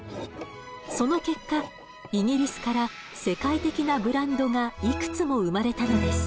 その結果イギリスから世界的なブランドがいくつも生まれたのです。